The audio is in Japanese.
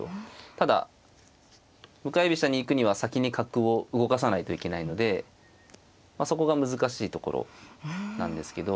ただ向かい飛車に行くには先に角を動かさないといけないのでそこが難しいところなんですけど。